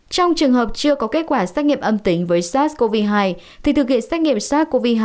trong trường hợp chưa có kết quả xét nghiệm âm tính với sars cov hai thì thực hiện xét nghiệm sars cov hai